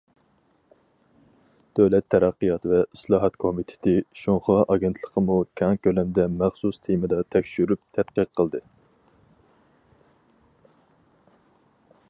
دۆلەت تەرەققىيات ۋە ئىسلاھات كومىتېتى، شىنخۇا ئاگېنتلىقىمۇ كەڭ كۆلەمدە مەخسۇس تېمىدا تەكشۈرۈپ تەتقىق قىلدى.